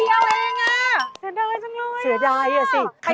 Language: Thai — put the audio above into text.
เสียดายนะสิเสียดายสิครับ